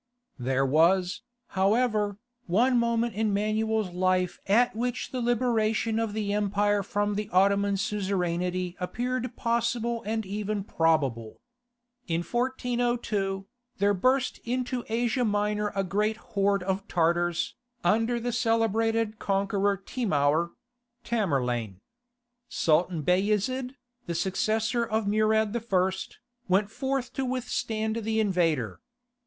There was, however, one moment in Manuel's life at which the liberation of the empire from the Ottoman suzerainty appeared possible and even probable. In 1402, there burst into Asia Minor a great horde of Tartars, under the celebrated conqueror Timour [Tamerlane]. Sultan Bayezid, the successor of Murad I., went forth to withstand the invader.